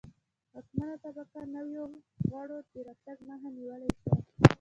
واکمنه طبقه نویو غړو د راتګ مخه نیولای شوه